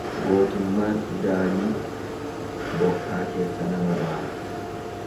Gootummaan udaanii bokkaa keessa nama baasa.